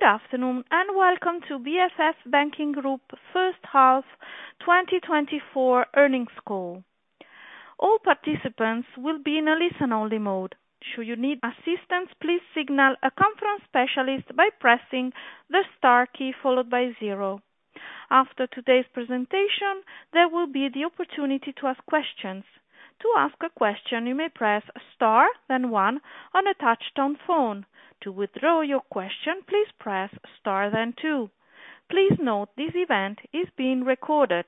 Good afternoon, and welcome to BFF Banking Group first half 2024 earnings call. All participants will be in a listen-only mode. Should you need assistance, please signal a conference specialist by pressing the star key followed by zero. After today's presentation, there will be the opportunity to ask questions. To ask a question, you may press star, then one on a touch-tone phone. To withdraw your question, please press star, then two. Please note this event is being recorded.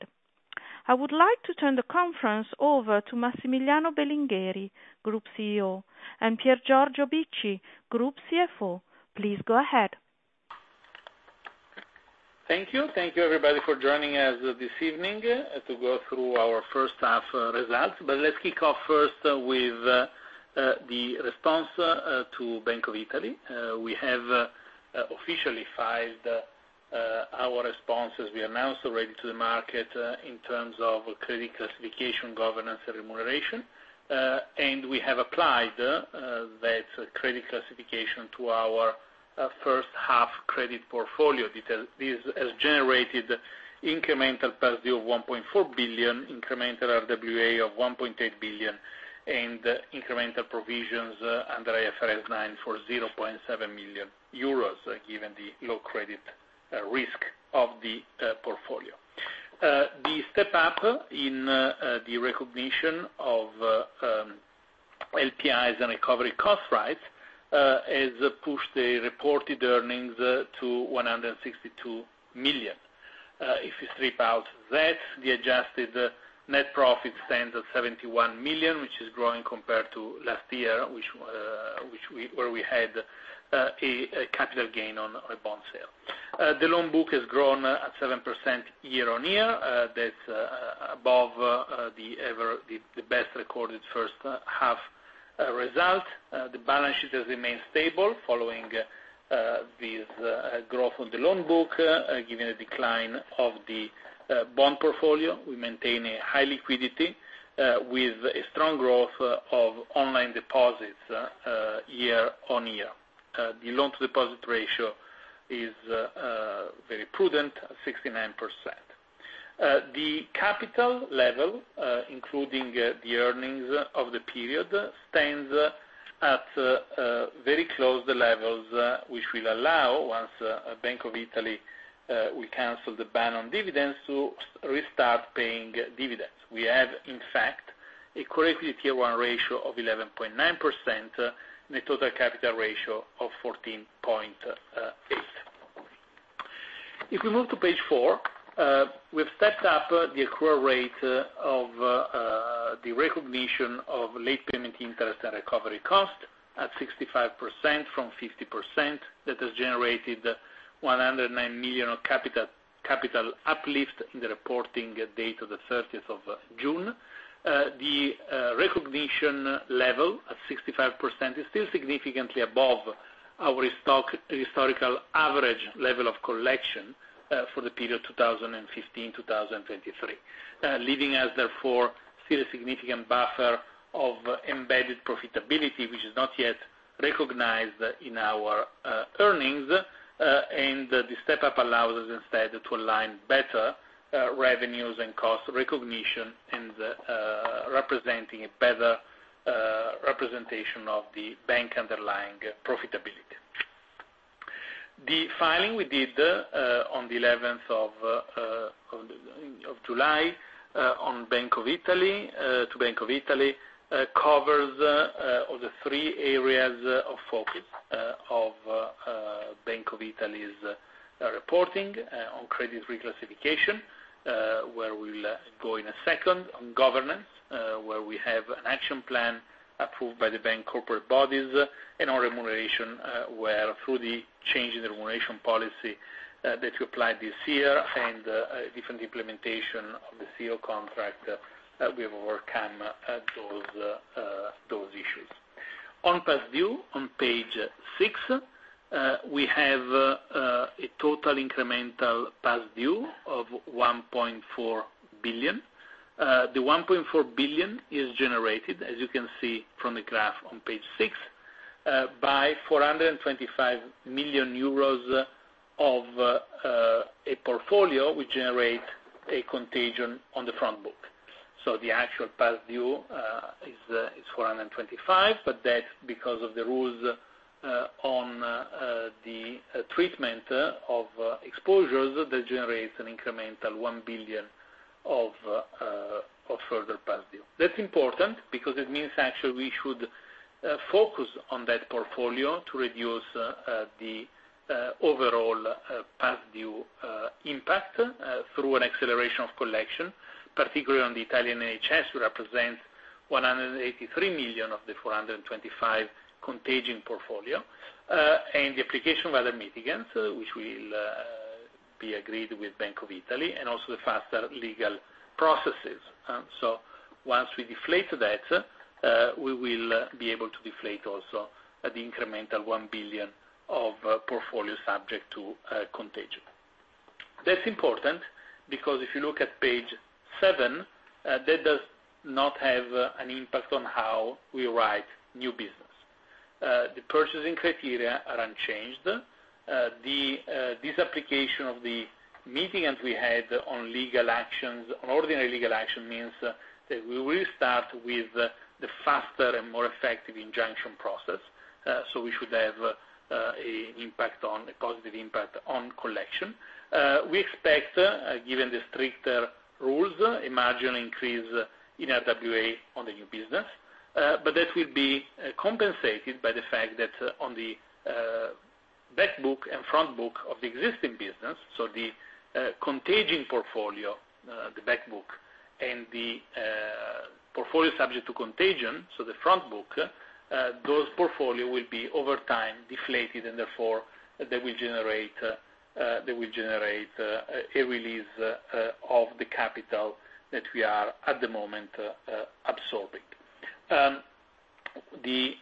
I would like to turn the conference over to Massimiliano Belingheri, Group CEO, and Piergiorgio Bicci, Group CFO. Please go ahead. Thank you. Thank you, everybody, for joining us this evening to go through our first half results. But let's kick off first with the response to Bank of Italy. We have officially filed our response, as we announced already to the market, in terms of credit classification, governance, and remuneration. And we have applied that credit classification to our first half credit portfolio detail. This has generated incremental past due of 1.4 billion, incremental RWA of 1.8 billion, and incremental provisions under IFRS 9 for 0.7 million euros, given the low credit risk of the portfolio. The step up in the recognition of LPIs and recovery cost rights has pushed the reported earnings to 162 million. If you strip out that, the adjusted net profit stands at 71 million, which is growing compared to last year, which we had a capital gain on a bond sale. The loan book has grown at 7% year-on-year. That's above the ever-the-best recorded first half result. The balance sheet has remained stable following this growth on the loan book, given a decline of the bond portfolio. We maintain a high liquidity with a strong growth of online deposits year-on-year. The loan-to-deposit ratio is very prudent, 69%. The capital level, including the earnings of the period, stands at very close levels, which will allow, once Bank of Italy will cancel the ban on dividends, to restart paying dividends. We have, in fact, a core equity tier one ratio of 11.9%, and a total capital ratio of 14.8. If we move to page four, we've stepped up the accrual rate of the recognition of late payment interest and recovery cost at 65% from 50%. That has generated 109 million capital uplift in the reporting date of the June 30th. The recognition level at 65% is still significantly above our historical average level of collection for the period 2015-2023. Leaving us, therefore, still a significant buffer of embedded profitability, which is not yet recognized in our earnings, and the step-up allows us instead to align better revenues and cost recognition and representing a better representation of the bank underlying profitability. The filing we did on the 11th of July to Bank of Italy covers all the three areas of focus of Bank of Italy's reporting on credit reclassification, where we will go in a second, on governance, where we have an action plan approved by the bank corporate bodies, and our remuneration, where through the change in the remuneration policy that we applied this year and different implementation of the CEO contract, we have overcome those issues. On past due, on page six, we have a total incremental past due of 1.4 billion. The 1.4 billion is generated, as you can see from the graph on page six, by 425 million euros of a portfolio, which generate a contagion on the front book. So the actual past due is four hundred and twenty-five, but that's because of the rules on the treatment of exposures that generates an incremental 1 billion of further past due. That's important because it means actually we should focus on that portfolio to reduce the overall past due impact through an acceleration of collection, particularly on the Italian NHS, which represents 183 million of the 425 million contagion portfolio, and the application of other mitigants, which will be agreed with Bank of Italy, and also the faster legal processes. So once we deflate that, we will be able to deflate also the incremental 1 billion of portfolio subject to contagion. That's important, because if you look at page seven, that does not have an impact on how we write new business. The purchasing criteria are unchanged. This application of the meetings we had on legal actions, on ordinary legal action, means that we will start with the faster and more effective injunction process. So we should have a impact on, a positive impact on collection. We expect, given the stricter rules, a marginal increase in RWA on the new business, but that will be compensated by the fact that on the back book and front book of the existing business, so the contagion portfolio, the back book, and the portfolio subject to contagion, so the Front Book, those portfolio will be over time deflated, and therefore, they will generate, they will generate a release of the capital that we are at the moment absorbing.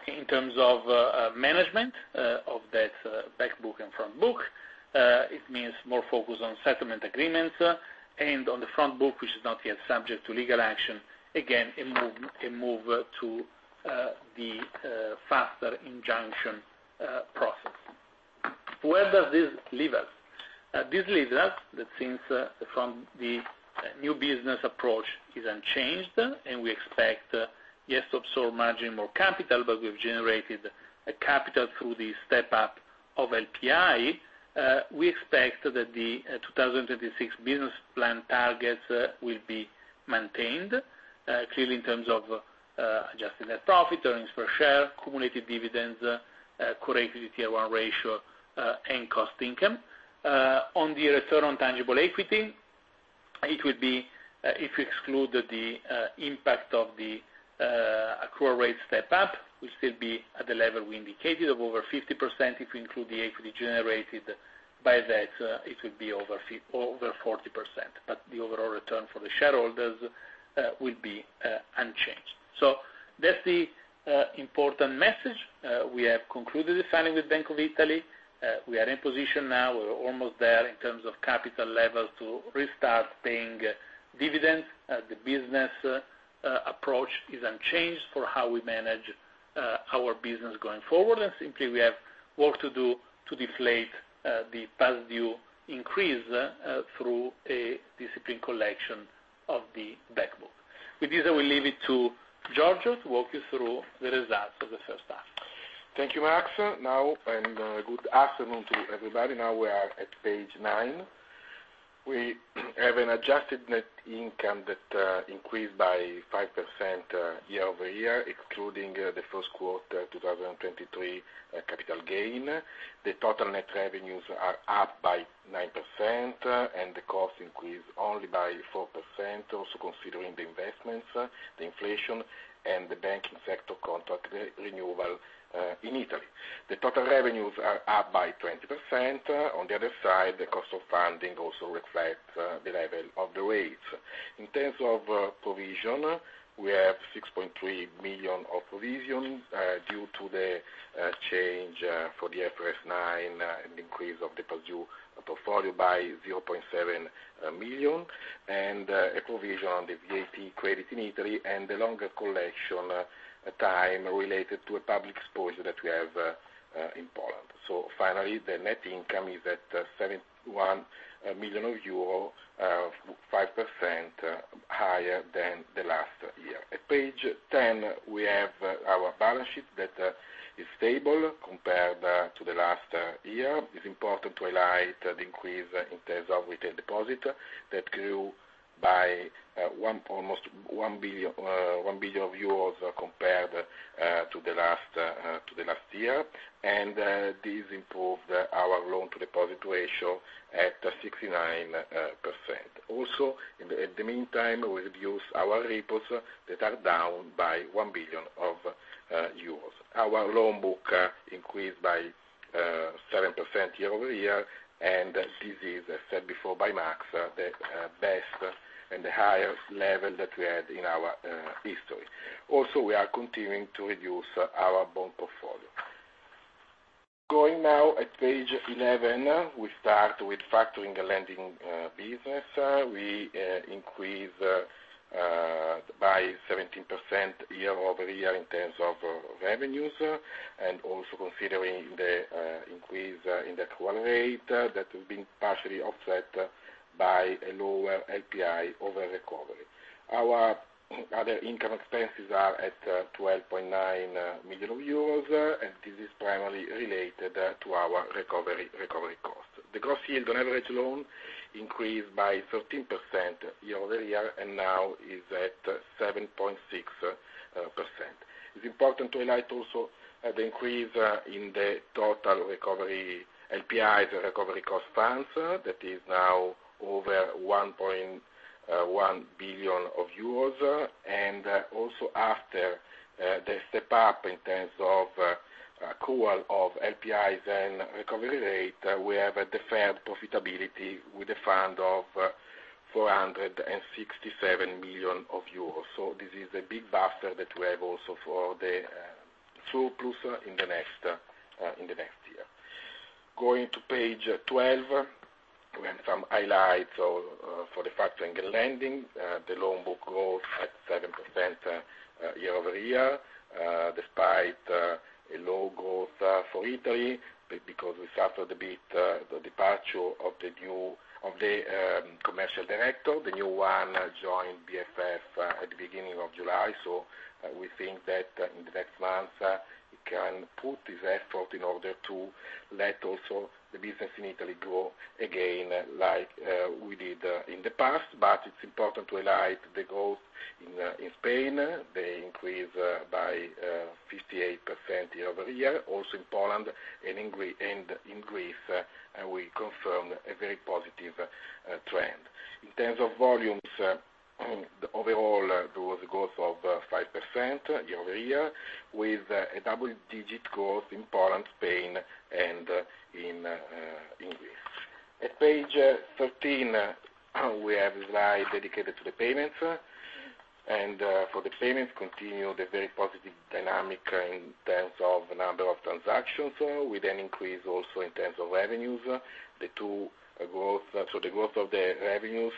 In terms of management of that back book and front book, it means more focus on settlement agreements, and on the front book, which is not yet subject to legal action, again, a move to the faster injunction process. Where does this leave us? This leaves us that since from the new business approach is unchanged, and we expect, yes, to absorb marginally more capital, but we've generated a capital through the step up of LPI. We expect that the 2026 business plan targets will be maintained, clearly in terms of adjusting net profit, earnings per share, cumulative dividends, Core Equity Tier 1 ratio, and cost income. On the return on tangible equity, it would be, if you exclude the impact of the actual rate step up, we should be at the level we indicated of over 50%. If we include the equity generated by that, it would be over 40%, but the overall return for the shareholders will be unchanged. So that's the important message. We have concluded the filing with Bank of Italy. We are in position now, we're almost there in terms of capital level to restart paying dividends. The business approach is unchanged for how we manage our business going forward, and simply we have work to do to deflate the past due increase through a disciplined collection of the back book. With this, I will leave it to Piergiorgio to walk you through the results of the first half. Thank you, Max. Now, good afternoon to everybody. Now we are at page nine. We have an adjusted net income that increased by 5%, year-over-year, excluding the first quarter 2023 capital gain. The total net revenues are up by 9%, and the cost increased only by 4%. Also, considering the investments, the inflation, and the banking sector contract renewal in Italy. The total revenues are up by 20%. On the other side, the cost of funding also reflects the level of the rates. In terms of provision, we have 6.3 million of provision due to the change for the IFRS 9 and increase of the past due portfolio by 0.7 million, and a provision on the VAT credit in Italy, and the longer collection time related to a public exposure that we have in Poland. So finally, the net income is at 71 million euro, 5% higher than the last year. At page 10, we have our balance sheet that is stable compared to the last year. It's important to highlight the increase in terms of retail deposit, that grew by almost 1 billion euros compared to the last year. This improved our loan-to-deposit ratio at 69%. Also, in the meantime, we reduced our repos that are down by 1 billion euros. Our loan book increased by 7% year-over-year, and this is, as said before by Max, the best and the highest level that we had in our history. Also, we are continuing to reduce our bond portfolio. Going now at page 11, we start with Factoring and Lending business. We increase by 17% year-over-year in terms of revenues, and also considering the increase in the accrual rate that have been partially offset by a lower LPI over recovery. Our other income expenses are at 12.9 million euros, and this is primarily related to our recovery cost. The gross yield on average loan increased by 13% year-over-year, and now is at 7.6%. It's important to highlight also the increase in the total recovery LPI, the recovery cost funds, that is now over 1.1 billion euros. Also after the step up in terms of accrual of LPIs and recovery rate, we have a deferred profitability with a fund of 467 million euros. So this is a big buffer that we have also for the surplus in the next year. Going to page 12, we have some highlights for the Factoring and Lending. The loan book growth at 7% year-over-year, despite a low growth for Italy, because we suffered a bit the departure of the new commercial director. The new one joined BFF at the beginning of July, so we think that in the next months he can put his effort in order to let also the business in Italy grow again, like we did in the past. But it's important to highlight the growth in Spain. They increased by 58% year-over-year, also in Poland and in Greece, and we confirm a very positive trend. In terms of volumes, the overall there was a growth of 5% year-over-year, with a double-digit growth in Poland, Spain, and in Greece. At page 13, we have a slide dedicated to the Payments. For the Payments, continue the very positive dynamic in terms of the number of transactions, with an increase also in terms of revenues. So the growth of the revenues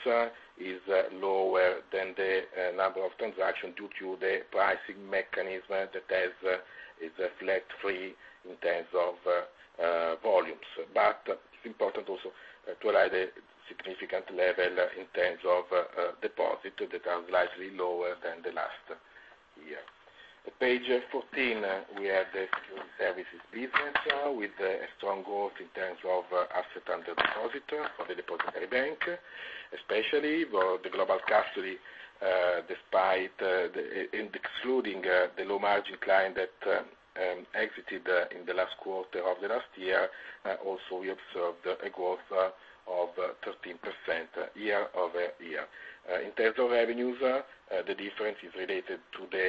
is lower than the number of transactions due to the pricing mechanism that has is flat fee in terms of volumes. But it's important also to highlight a significant level in terms of deposits that are slightly lower than last year. At page 14, we have the Security Services business with a strong growth in terms of assets under deposit for the depository bank, especially for the global custody, despite, and excluding, the low-margin client that exited in the last quarter of the last year, also we observed a growth of 13% year-over-year. In terms of revenues, the difference is related to the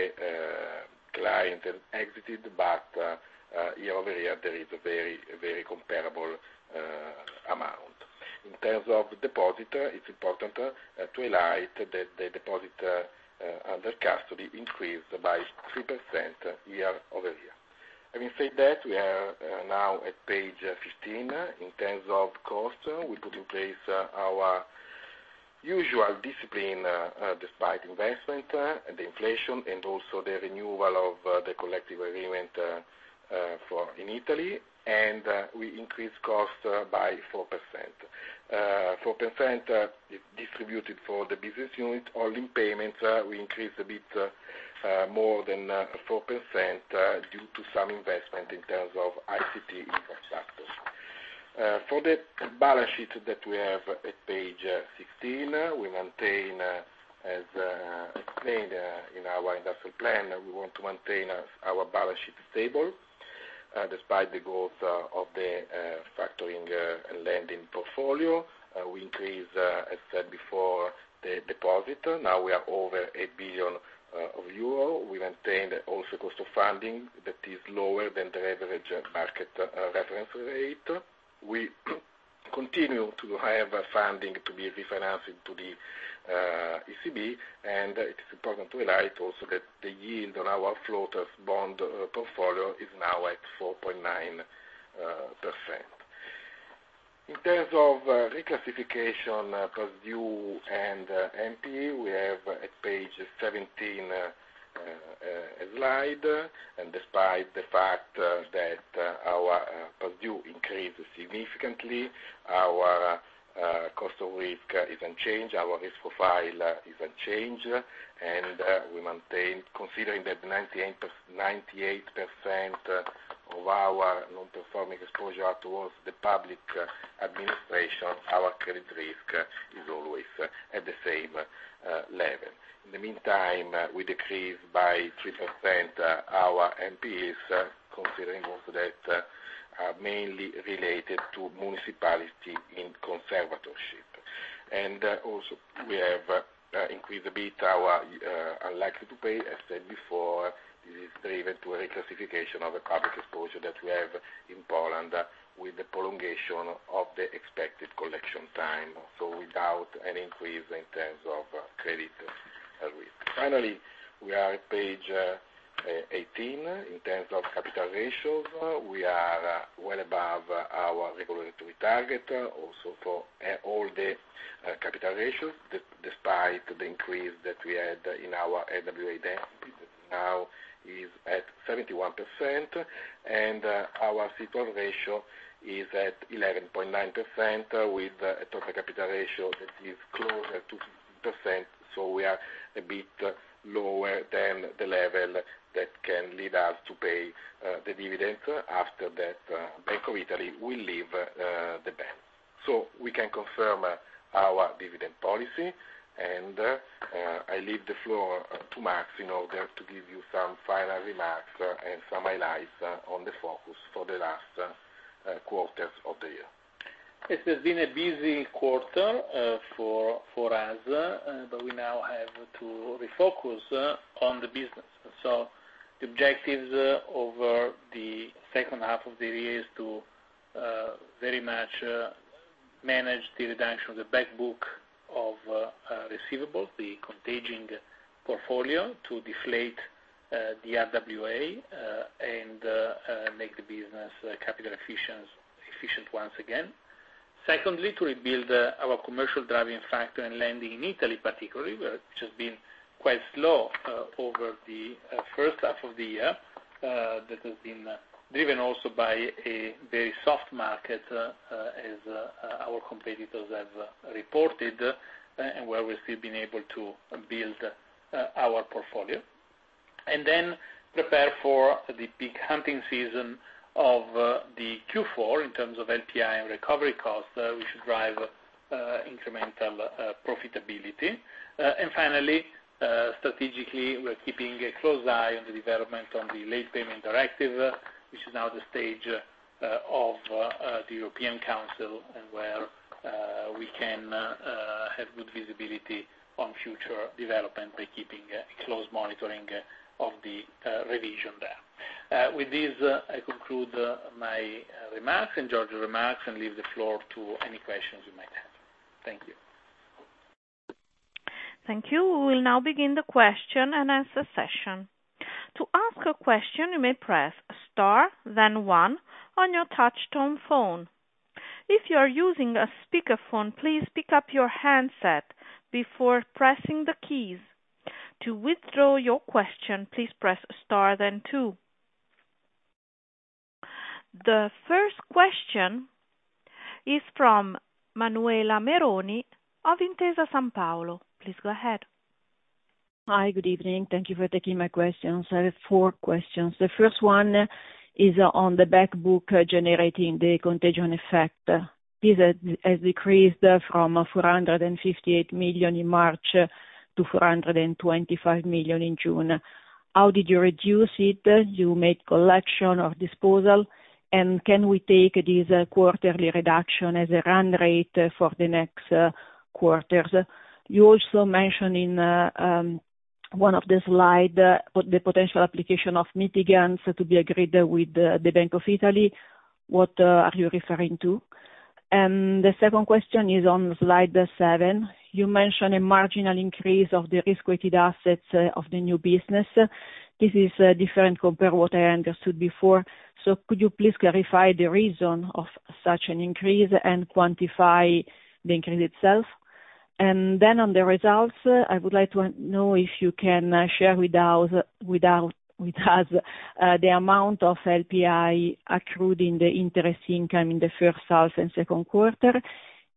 client that exited, but year-over-year, there is a very, very comparable amount. In terms of deposit, it's important to highlight that the deposit under custody increased by 3% year-over-year. Having said that, we are now at page 15. In terms of cost, we put in place our usual discipline, despite investment, and inflation, and also the renewal of the collective agreement for in Italy, and we increased cost by 4%. 4% is distributed for the business unit. Only in payments, we increased a bit more than 4%, due to some investment in terms of ICT infrastructure. For the balance sheet that we have at page 16, we maintain, as explained in our industrial plan, we want to maintain our balance sheet stable, despite the growth of the factoring and lending portfolio. We increased, as said before, the deposit. Now we are over 1 billion euro. We maintained also cost of funding that is lower than the average market reference rate. We continue to have funding to be refinancing to the ECB, and it's important to highlight also that the yield on our floaters bond portfolio is now at 4.9%. In terms of reclassification, past due and NPE, we have at page 17 a slide. And despite the fact that our past due increased significantly, our cost of risk is unchanged, our risk profile is unchanged, and we maintain, considering that 98% of our non-performing exposure towards the public administration, our credit risk is always at the same level. In the meantime, we decreased by 3% our NPEs, considering also that are mainly related to municipality in conservatorship. Also we have increased a bit our unlikely to pay. As said before, this is driven to a reclassification of the public exposure that we have in Poland with the prolongation of the expected collection time, so without any increase in terms of credit risk. Finally, we are at page 18. In terms of capital ratios, we are well above our regulatory target, also for all the capital ratios, despite the increase that we had in our RWA density, that now is at 71%, and our CET1 ratio is at 11.9%, with a total capital ratio that is closer to 20%, so we are a bit lower than the level that can lead us to pay the dividend. After that, Bank of Italy will leave the bank. So we can confirm our dividend policy, and I leave the floor to Max in order to give you some final remarks and some highlights on the focus for the last quarters of the year. It has been a busy quarter for us, but we now have to refocus on the business. So the objectives over the second half of the year is to very much manage the redemption of the back book of receivable, the contagion portfolio, to deflate the RWA, and make the business capital efficient, efficient once again. Secondly, to rebuild our commercial drive in Factoring and Lending in Italy, particularly, where which has been quite slow over the first half of the year. That has been driven also by a very soft market, as our competitors have reported, and where we've still been able to build our portfolio. And then prepare for the big hunting season of the Q4 in terms of LPI and recovery costs, which should drive incremental profitability. And finally, strategically, we're keeping a close eye on the development on the Late Payment Directive, which is now the stage of the European Council, and where we can have good visibility on future development by keeping a close monitoring of the revision there. With this, I conclude my remarks and Giorgio's remarks, and leave the floor to any questions you might have. Thank you. Thank you. We will now begin the question and answer session. To ask a question, you may press Star, then One on your touchtone phone. If you are using a speakerphone, please pick up your handset before pressing the keys. To withdraw your question, please press Star, then Two. The first question is from Manuela Meroni of Intesa Sanpaolo. Please go ahead. Hi, good evening. Thank you for taking my questions. I have four questions. The first one is on the back book generating the contagion effect. This has decreased from 458 million in March to 425 million in June. How did you reduce it? You made collection of disposal, and can we take this quarterly reduction as a run rate for the next quarters? You also mentioned in one of the slide, the potential application of mitigants to be agreed with the Bank of Italy. What are you referring to? And the second question is on slide seven. You mentioned a marginal increase of the risk-weighted assets of the new business. This is different compared to what I understood before. So could you please clarify the reason of such an increase and quantify the increase itself? And then on the results, I would like to know if you can share with us the amount of LPI accrued in the interest income in the first half and second quarter.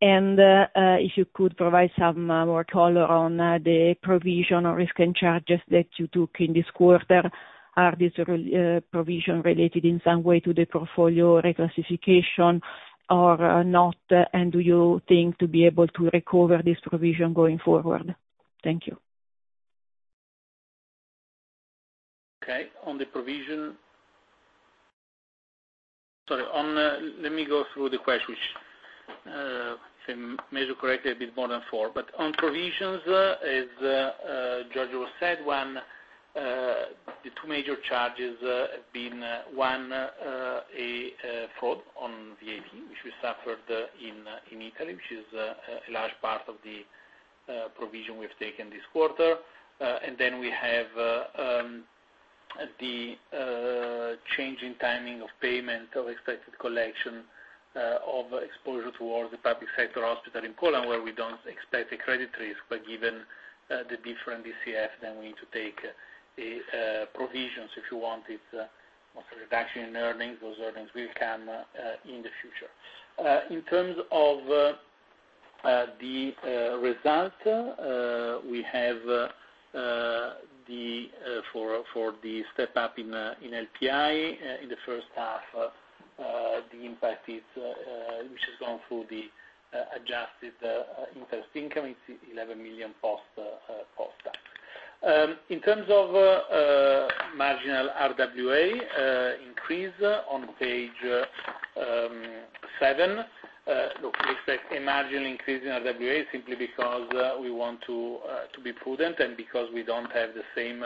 If you could provide some more color on the provision or risk and charges that you took in this quarter. Are these provision related in some way to the portfolio reclassification or not? Do you think to be able to recover this provision going forward? Thank you. Okay. On the provisions—sorry, on, let me go through the questions, if Mario corrected a bit more than four. But on provisions, as Giorgio said, one, the two major charges have been, one, a fraud on VAT, which we suffered in Italy, which is a large part of the provision we've taken this quarter. And then we have the change in timing of payment of expected collection of exposure towards the public sector hospital in Poland, where we don't expect a credit risk, but given the different DCF, then we need to take provisions, if you want. It's a reduction in earnings. Those earnings will come in the future. In terms of the result, we have for the step-up in LPI. In the first half, the impact, which has gone through the adjusted interest income, it's 11 million post that. In terms of marginal RWA increase on page 7, look, we expect a marginal increase in RWA simply because we want to be prudent and because we don't have the same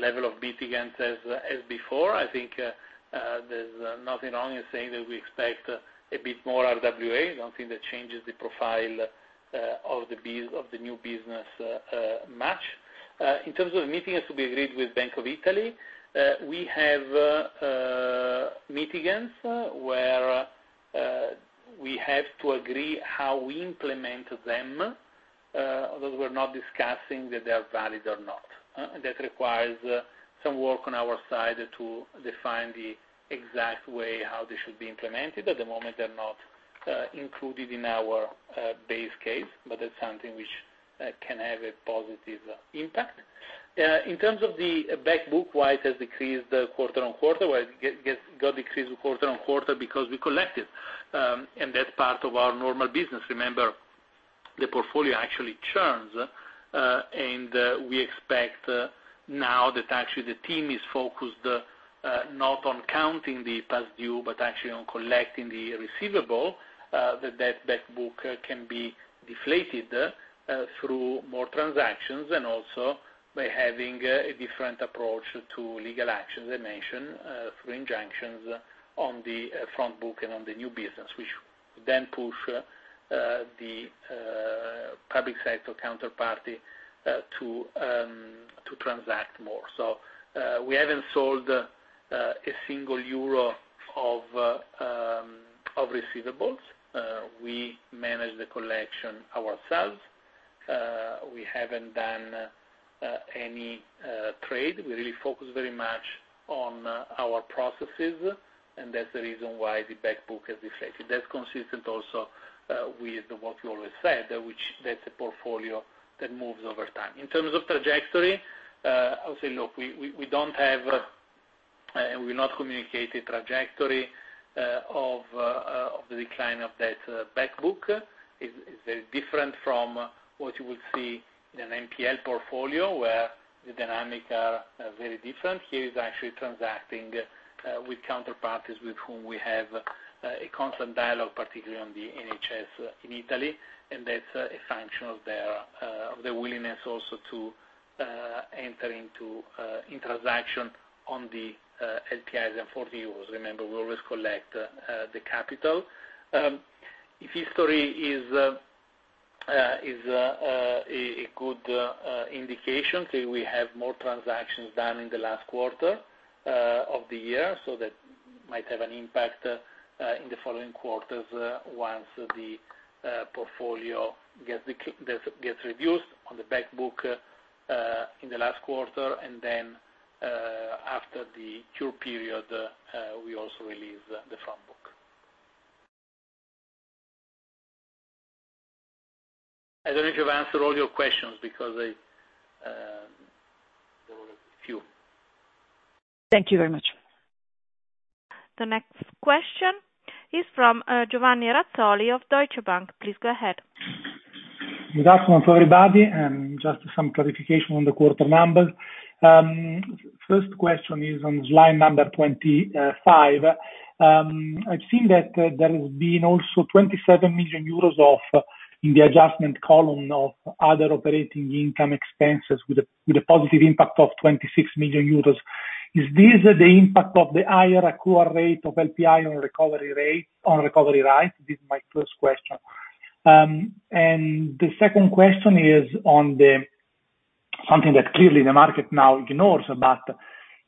level of mitigant as before. I think there's nothing wrong in saying that we expect a bit more RWA, something that changes the profile of the business of the new business match. In terms of mitigants to be agreed with Bank of Italy, we have mitigants where we have to agree how we implement them, although we're not discussing that they are valid or not, that requires some work on our side to define the exact way how they should be implemented. At the moment, they're not included in our base case, but that's something which can have a positive impact. In terms of the back book, why it has decreased quarter-over-quarter? Well, it got decreased quarter-over-quarter because we collected, and that's part of our normal business. Remember, the portfolio actually churns, and we expect now that actually the team is focused, not on counting the past due, but actually on collecting the receivable, that back book can be deflated through more transactions and also by having a different approach to legal actions. I mentioned through injunctions on the front book and on the new business, which then push the public sector counterparty to transact more. So, we haven't sold a single euro of receivables. We manage the collection ourselves. We haven't done any trade. We really focus very much on our processes, and that's the reason why the back book has deflated. That's consistent also with what you always said, which that's a portfolio that moves over time. In terms of trajectory, I would say, look, we don't have and we not communicate a trajectory of the decline of that back book. Is very different from what you would see in an NPL portfolio, where the dynamic are very different. Here is actually transacting with counterparties with whom we have a constant dialogue, particularly on the NHS in Italy, and that's a function of their willingness also to enter into transaction on the LPIs and 40 euros. Remember, we always collect the capital. If history is a good indication, so we have more transactions done in the last quarter of the year, so that might have an impact in the following quarters, once the portfolio gets reduced on the back book in the last quarter, and then, after the cure period, we also release the front book. I don't know if I've answered all your questions because there were a few. Thank you very much. The next question is from Giovanni Razzoli of Deutsche Bank. Please go ahead. Good afternoon to everybody, and just some clarification on the quarter numbers. First question is on slide number 25. I've seen that there has been also 27 million euros of, in the adjustment column of other operating income expenses with a positive impact of 26 million euros. Is this the impact of the higher accrual rate of LPI on recovery rate, on recovery rate? This is my first question. And the second question is on the something that clearly the market now ignores, but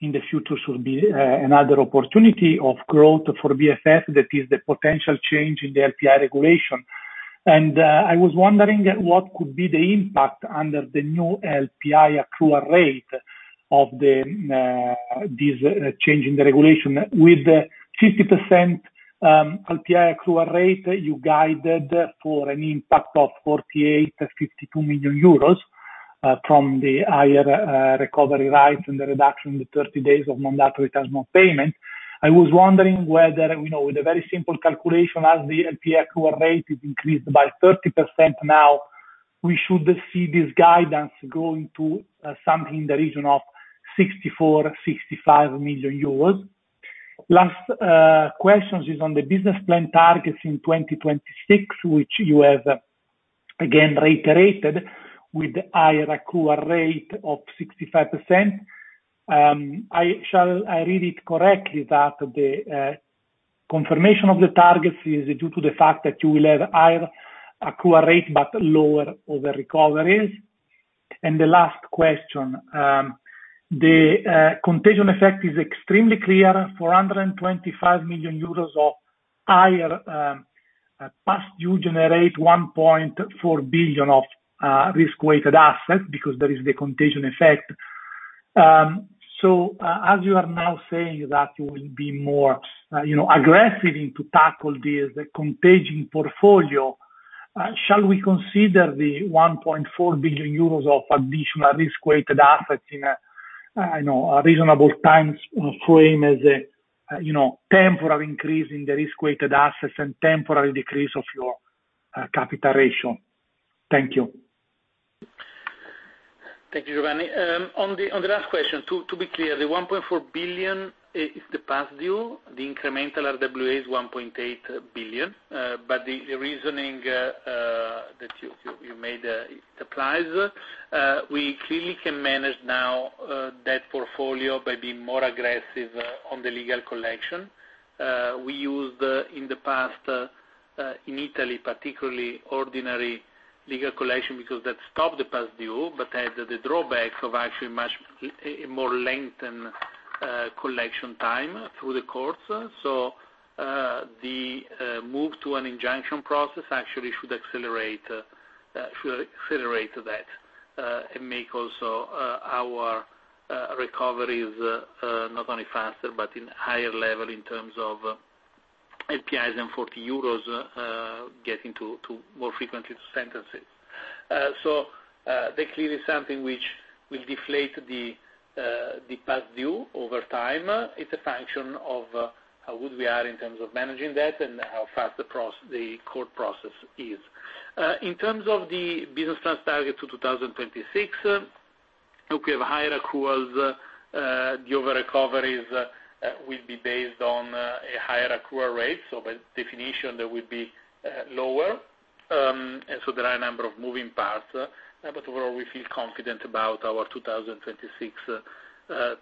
in the future should be another opportunity of growth for BFF, that is the potential change in the LPI regulation. And I was wondering what could be the impact under the new LPI accrual rate of the this change in the regulation. With the 50% LPI accrual rate, you guided for an impact of 48 million-52 million euros from the higher recovery rates and the reduction in the 30 days of mandatory attachment payment. I was wondering whether, you know, with a very simple calculation, as the LPI accrual rate is increased by 30% now, we should see this guidance going to something in the region of 64 million-65 million euros. Last questions is on the business plan targets in 2026, which you have again reiterated with the higher accrual rate of 65%. I shall I read it correctly, that the confirmation of the targets is due to the fact that you will have higher accrual rate, but lower over recoveries? The last question, the contagion effect is extremely clear, 425 million euros of higher past due generate 1.4 billion of risk-weighted assets, because there is the contagion effect. So as you are now saying that you will be more, you know, aggressive in to tackle this, the contagion portfolio, shall we consider the 1.4 billion euros of additional risk-weighted assets in a, I know, a reasonable time frame as a, you know, temporary increase in the risk-weighted assets and temporary decrease of your capital ratio? Thank you. Thank you, Giovanni. On the last question, to be clear, the 1.4 billion is the past due. The incremental RWA is 1.8 billion, but the reasoning that you made applies. We clearly can manage now that portfolio by being more aggressive on the legal collection. We used, in the past, in Italy, particularly, ordinary legal collection because that stopped the past due, but had the drawbacks of actually much a more lengthened collection time through the courts. So, the move to an injunction process actually should accelerate that, and make also our recoveries not only faster, but in higher level in terms of LPIs and 40 euros, getting to more frequently to sentences. So, that clearly is something which will deflate the past due over time. It's a function of how good we are in terms of managing that and how fast the court process is. In terms of the business plan's target to 2026, look, we have higher accruals. The over recoveries will be based on a higher accrual rate, so by definition, that will be lower. And so there are a number of moving parts, but overall, we feel confident about our 2026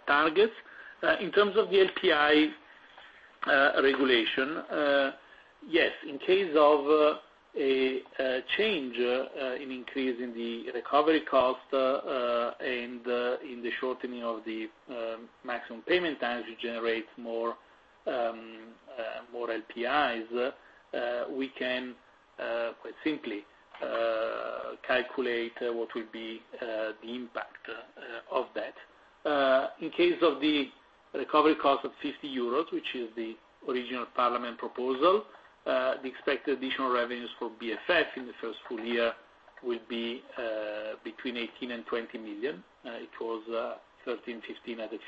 targets. In terms of the LPI regulation, yes, in case of a change in increasing the recovery cost, and in the shortening of the maximum payment times, you generate more more LPIs, we can quite simply calculate what will be the impact of that. In case of the recovery cost of 50 euros, which is the original parliament proposal, the expected additional revenues for BFF in the first full year will be between 18 million and 20 million. It was 13-15 at a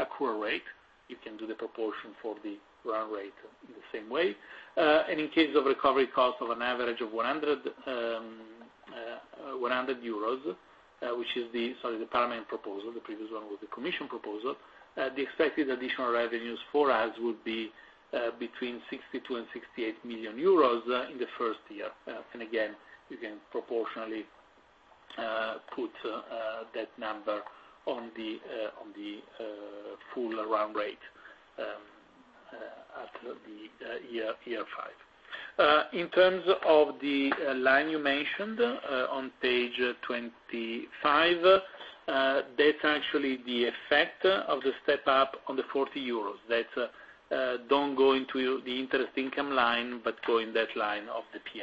50% accrual rate. You can do the proportion for the run rate in the same way. And in case of recovery cost of an average of 100 euros, which is the, sorry, the Parliament proposal, the previous one was the Commission proposal, the expected additional revenues for us would be between 62 million and 68 million euros in the first year. And again, you can proportionally put that number on the full run rate after year 5. In terms of the line you mentioned on page 25, that's actually the effect of the step up on the 40 euros. That don't go into the interest income line, but go in that line of the P&L.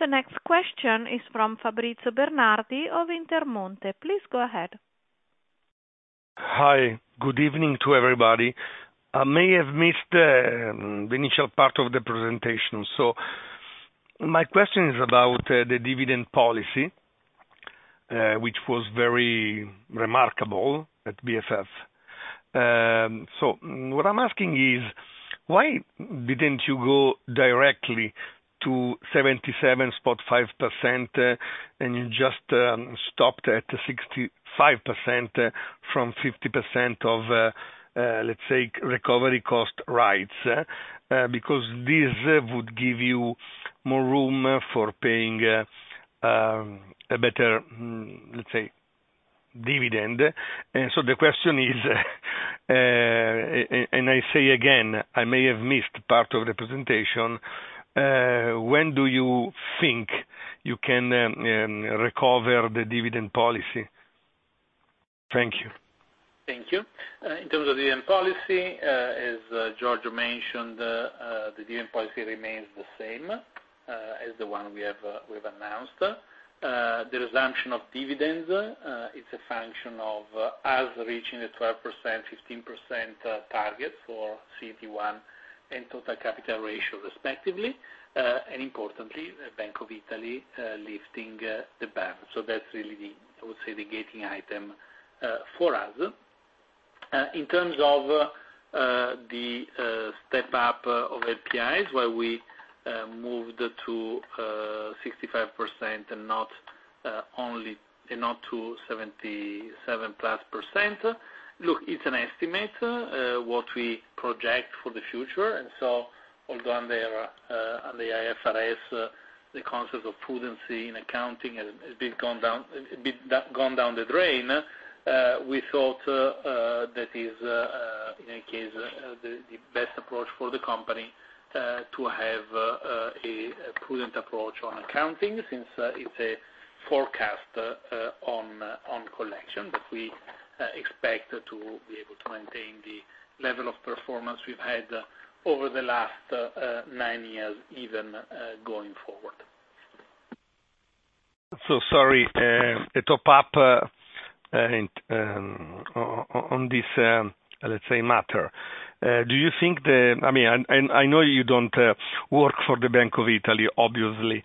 The next question is from Fabrizio Bernardi of Intermonte. Please go ahead. Hi, good evening to everybody. I may have missed the initial part of the presentation, so my question is about the dividend policy, which was very remarkable at BFF. So what I'm asking is, why didn't you go directly to 77.5%, and you just stopped at 65%, from 50% of, let's say, recovery cost rights? Because this would give you more room for paying a better, let's say, dividend. And so the question is, and I say again, I may have missed part of the presentation, when do you think you can recover the dividend policy? Thank you. Thank you. In terms of dividend policy, as Giorgio mentioned, the dividend policy remains the same, as the one we have, we've announced. The resumption of dividends, it's a function of us reaching the 12%, 15% target for CET1 and total capital ratio respectively, and importantly, the Bank of Italy lifting the ban. So that's really the, I would say, the gating item for us. In terms of the step-up of LPIs, why we moved to 65% and not only, and not to 77% plus. Look, it's an estimate, what we project for the future, and so although on the IFRS, the concept of prudence in accounting has gone down the drain, we thought that is, in any case, the best approach for the company to have a prudent approach on accounting, since it's a forecast on collection. But we expect to be able to maintain the level of performance we've had over the last nine years, even going forward. So, sorry, a top up, and on this, let's say, matter. Do you think the... I mean, and I know you don't work for the Bank of Italy, obviously,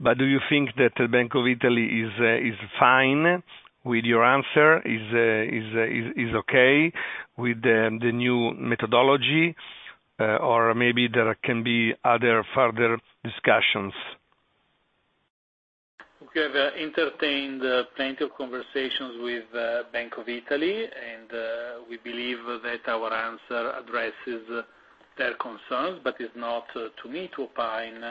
but do you think that the Bank of Italy is fine with your answer? Is okay with the new methodology? Or maybe there can be other further discussions. We have entertained plenty of conversations with Bank of Italy, and we believe that our answer addresses their concerns, but it's not to me to opine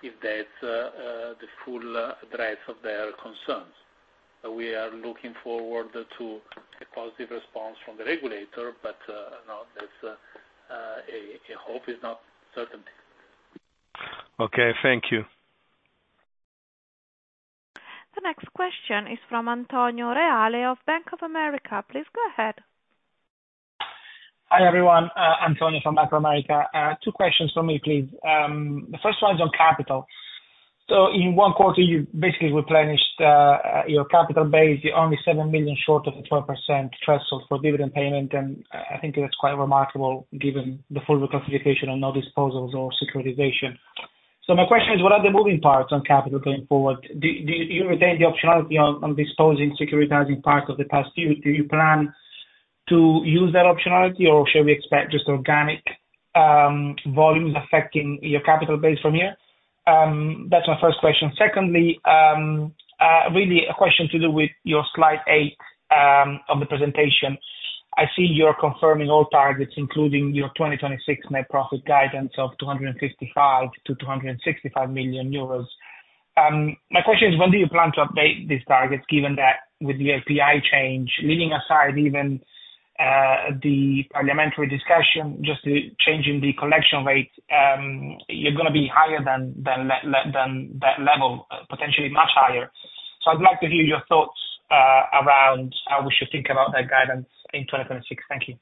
if that's the full address of their concerns. We are looking forward to a positive response from the regulator, but you know, that's a hope is not certainty. Okay, thank you. The next question is from Antonio Reale of Bank of America. Please go ahead. Hi, everyone, Antonio from Bank of America. Two questions for me, please. The first one is on capital. So in one quarter, you basically replenished your capital base, you're only 7 million short of the 12% threshold for dividend payment, and I think that's quite remarkable given the full reclassification and no disposals or securitization. So my question is: what are the moving parts on capital going forward? Do you retain the optionality on disposing, securitizing parts of the past year? Do you plan to use that optionality, or should we expect just organic volumes affecting your capital base from here? That's my first question. Secondly, really a question to do with your slide eight on the presentation. I see you're confirming all targets, including your 2026 net profit guidance of 255 million-265 million euros. My question is, when do you plan to update these targets, given that with the LPI change, leaving aside even the parliamentary discussion, just the change in the collection rate, you're gonna be higher than that level, potentially much higher. So I'd like to hear your thoughts around how we should think about that guidance in 2026. Thank you.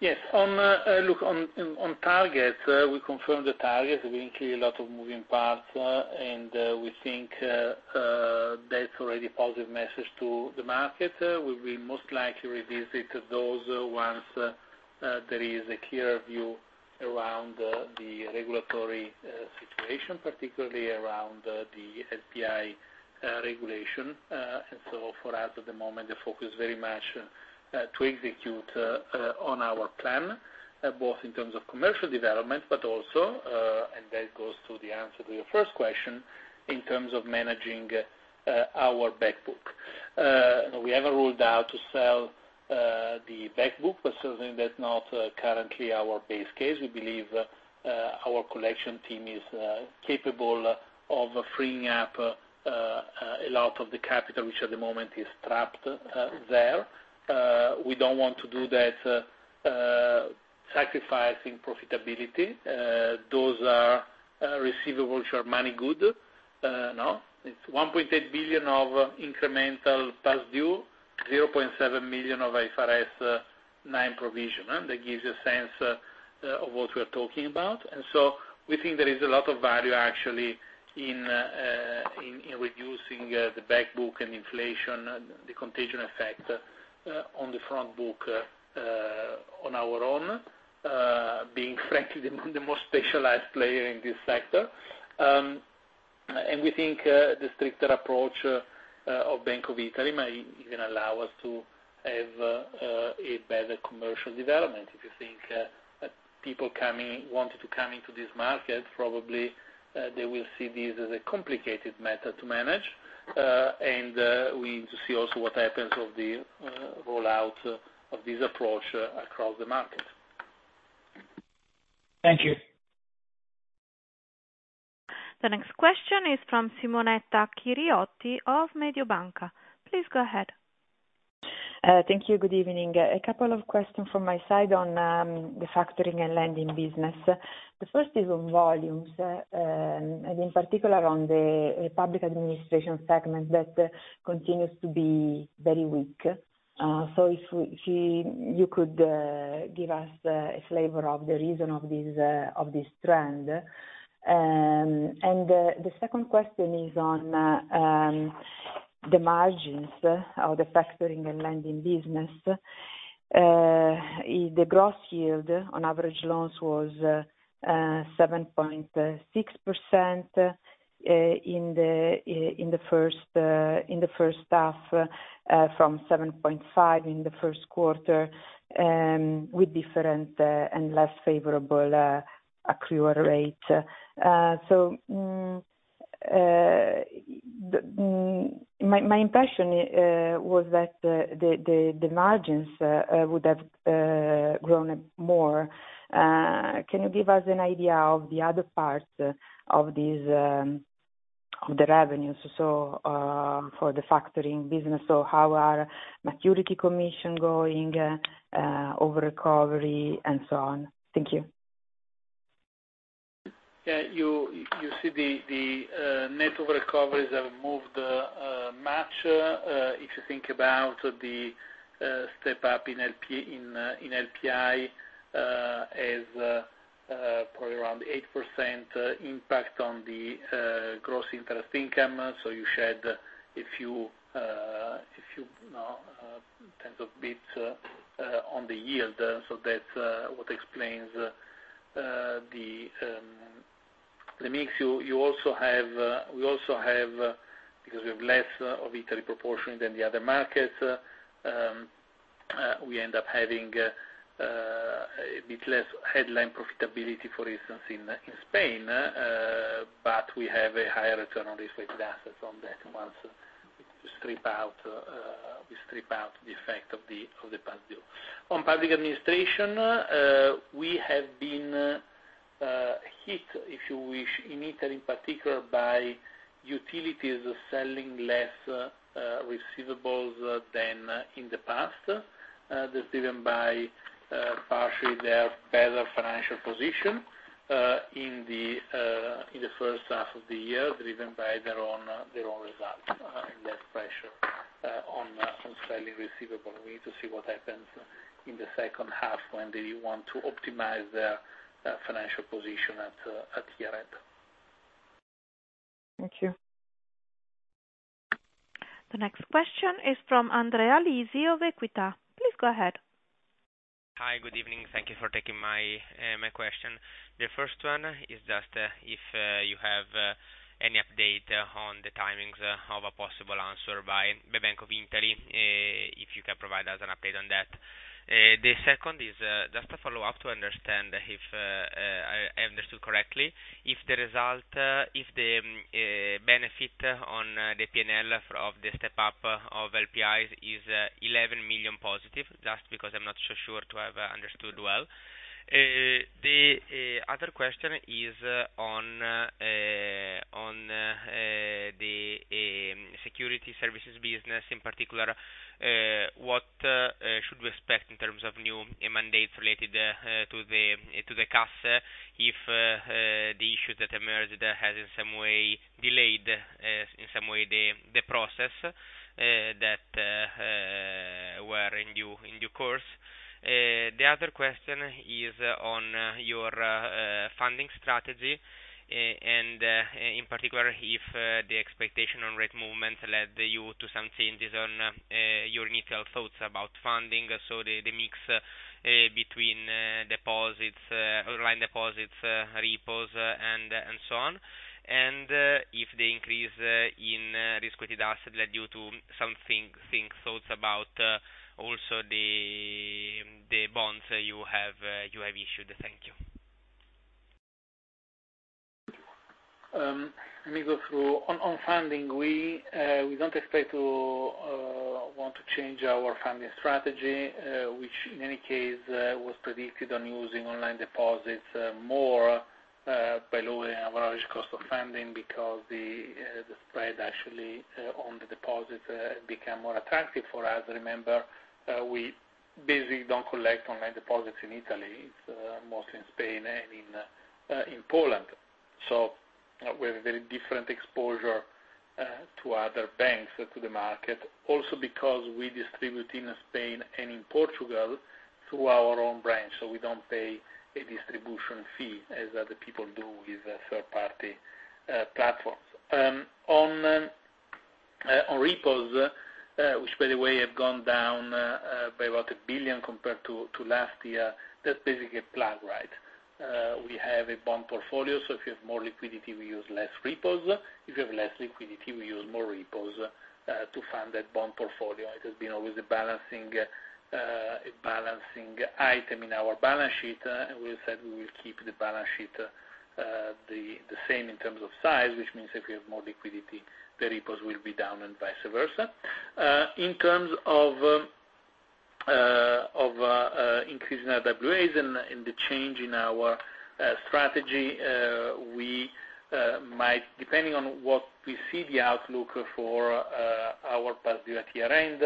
Yes. On targets, we confirm the targets. We include a lot of moving parts, and we think that's already positive message to the market. We will most likely revisit those once there is a clearer view around the regulatory situation, particularly around the LPI regulation. And so for us, at the moment, the focus very much to execute on our plan, both in terms of commercial development, but also, and that goes to the answer to your first question, in terms of managing our back book. We haven't ruled out to sell the back book, but certainly that's not currently our base case. We believe our collection team is capable of freeing up a lot of the capital, which at the moment is trapped there. We don't want to do that sacrificing profitability. Those receivables are money good, no? It's 1.8 billion of incremental past due, 0.7 million of IFRS 9 provision. That gives you a sense of what we are talking about. And so we think there is a lot of value, actually, in reducing the back book and alleviating the contagion effect on the front book, on our own being, frankly, the most specialized player in this sector. And we think the stricter approach of Bank of Italy may even allow us to have a better commercial development. If you think people coming, wanting to come into this market, probably they will see this as a complicated method to manage, and we need to see also what happens of the rollout of this approach across the market. Thank you. The next question is from Simonetta Chiriotti of Mediobanca. Please go ahead. Thank you. Good evening. A couple of questions from my side on the factoring and lending business. The first is on volumes and in particular on the public administration segment that continues to be very weak. So if you could give us a flavor of the reason of this trend. The second question is on the margins of the factoring and lending business. The gross yield on average loans was 7.6% in the first half from 7.5 in the first quarter with different and less favorable accrual rate. So my impression was that the margins would have grown more. Can you give us an idea of the other parts of the revenues, so for the factoring business, how are maturity commissions going over recovery and so on? Thank you. Yeah, you see the net recoveries have moved much. If you think about the step up in LP, in LPI, as probably around 8% impact on the gross interest income. So you shed a few tens of bits on the yield. So that's what explains the mix. You also have we also have because we have less of Italy proportion than the other markets, we end up having a bit less headline profitability, for instance, in Spain, but we have a higher return on regulated assets on that once we strip out the effect of the past due. On public administration, we have been hit, if you wish, in Italy, in particular, by utilities selling less receivables than in the past. That's driven by partially their better financial position in the first half of the year, driven by their own results, and less pressure on selling receivables. We need to see what happens in the second half when they want to optimize their financial position at year end. Thank you. The next question is from Andrea Lisi of Equita. Please go ahead.... Hi, good evening. Thank you for taking my question. The first one is just if you have any update on the timings of a possible answer by the Bank of Italy, if you can provide us an update on that. The second is just a follow-up to understand if I understood correctly, if the benefit on the PNL of the step up of LPIs is 11 million positive, just because I'm not so sure to have understood well. The other question is on the Security Services business in particular, what should we expect in terms of new mandates related to the Casse, if the issue that emerged has in some way delayed in some way the process that we're in due course? The other question is on your funding strategy, and in particular, if the expectation on rate movement led you to some changes on your initial thoughts about funding, so the mix between deposits, online deposits, repos, and so on. And if the increase in risk-weighted asset led you to some thoughts about also the bonds you have issued. Thank you. Let me go through. On funding, we don't expect to want to change our funding strategy, which in any case was predicted on using online deposits more by lowering our average cost of funding because the spread actually on the deposits became more attractive for us. Remember, we basically don't collect online deposits in Italy, it's mostly in Spain and in Poland. So we have a very different exposure to other banks, to the market, also because we distribute in Spain and in Portugal through our own branch, so we don't pay a distribution fee as other people do with a third-party platforms. On repos, which, by the way, have gone down by about 1 billion compared to last year, that's basically a plug, right? We have a bond portfolio, so if you have more liquidity, we use less repos. If you have less liquidity, we use more repos to fund that bond portfolio. It has been always a balancing item in our balance sheet, and we said we will keep the balance sheet the same in terms of size, which means if you have more liquidity, the repos will be down and vice versa. In terms of increasing our RWAs and the change in our strategy, we might, depending on what we see the outlook for our past year-end,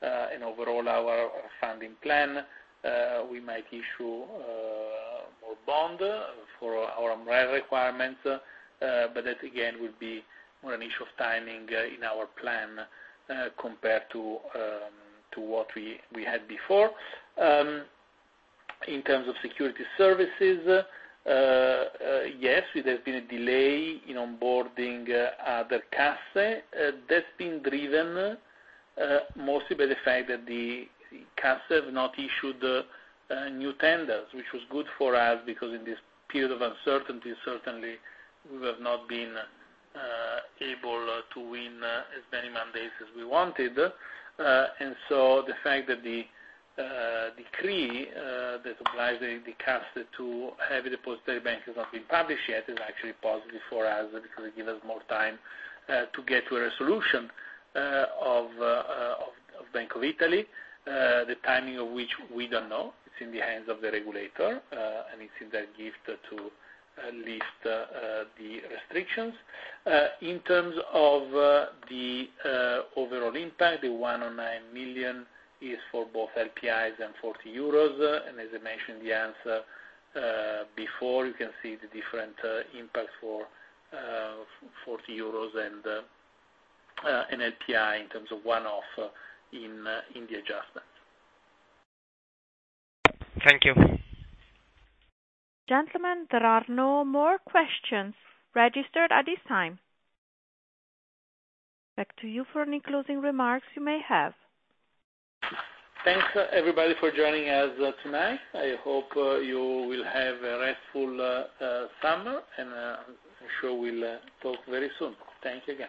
and overall our funding plan, we might issue more bonds for our MREL requirements, but that, again, would be more an issue of timing in our plan compared to what we had before. In terms of Security Services, yes, there has been a delay in onboarding the Casse. That's been driven mostly by the fact that the Casse have not issued new tenders, which was good for us, because in this period of uncertainty, certainly we have not been able to win as many mandates as we wanted. So the fact that the decree that applies the Casse to have the Depository Bank has not been published yet is actually positive for us, because it give us more time to get to a resolution of Bank of Italy, the timing of which we don't know. It's in the hands of the regulator, and it's in their gift to lift the restrictions. In terms of the overall impact, the 109 million is for both LPIs and 40 euros. And as I mentioned the answer before, you can see the different impact for 40 euros and an LPI in terms of one-off in the adjustment. Thank you. Gentlemen, there are no more questions registered at this time. Back to you for any closing remarks you may have. Thanks, everybody, for joining us tonight. I hope you will have a restful summer, and I'm sure we'll talk very soon. Thank you again.